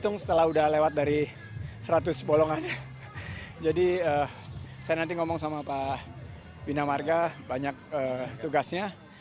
pemacetan dan pemacetan